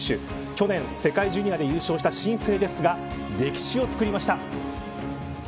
去年、世界ジュニアで優勝した新星ですが歴史を作りました。